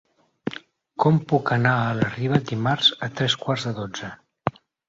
Com puc anar a la Riba dimarts a tres quarts de dotze?